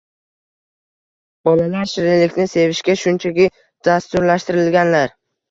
Bolalar shirinlikni sevishga shunchaki dasturlashtirilganlar